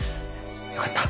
よかった。